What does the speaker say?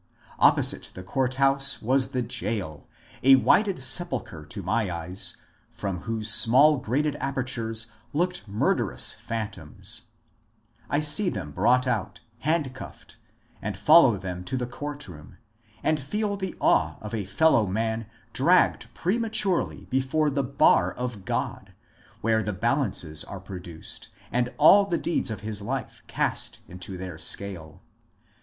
Opposite the court house was the gaol, a whited sepulchre to my eyes, from whose small grated apertures looked murderous phantoms. I CRIMINAL TRIALS 39 see them brought out, handcuffed, and follow them to the oourt room, and feel the awe of a fellow man dragged prema turely before the bar of God, where the balances are pro duced, and all the deeds of his life cast into their scale.